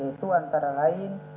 yaitu antara lain